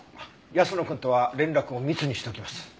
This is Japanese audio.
泰乃くんとは連絡を密にしておきます。